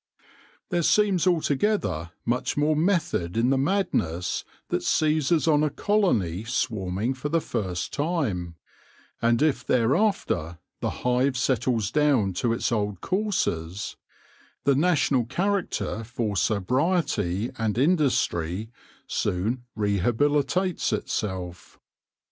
There seems altogether much more method in the madness that seizes on a colony swarming for the first time, and if thereafter the hive settles down to its old courses, the national character for sobrietv and THE MYSTERY OF THE SWARM 133 industry soon rehabilitates itself.